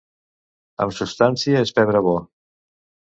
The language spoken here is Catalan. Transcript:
En substància!... és pebre bo.